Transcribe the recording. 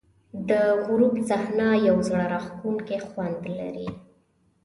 د غروب صحنه یو زړه راښکونکی خوند لري.